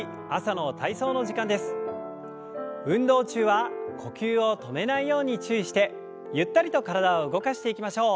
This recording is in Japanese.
運動中は呼吸を止めないように注意してゆったりと体を動かしていきましょう。